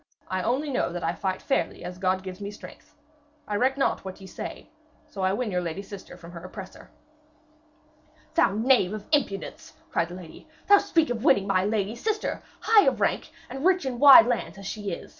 I only know that I fight fairly, as God gives me strength. I reck not what ye say, so I win your lady sister from her oppressor.' 'Thou knave of impudence!' cried the lady. 'Thee to speak of winning my lady sister, high of rank and rich in wide lands as she is!